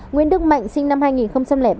nguyễn đức mạnh sinh năm hai nghìn ba